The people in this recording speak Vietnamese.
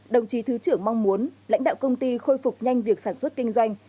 đồng chí thứ trưởng mong muốn lãnh đạo công ty khôi phục nhanh việc sản xuất kinh doanh